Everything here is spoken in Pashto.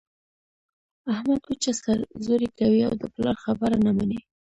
احمد وچه سر زوري کوي او د پلار خبره نه مني.